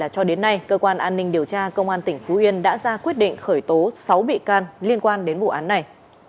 cơ quan an ninh điều tra công an tỉnh phú yên đã ra quyết định khởi tố sáu bị can liên quan đến vụ án này